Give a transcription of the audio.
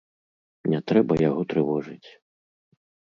Не трэба яго трывожыць.